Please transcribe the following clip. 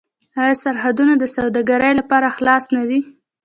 آیا سرحدونه د سوداګرۍ لپاره خلاص نه دي؟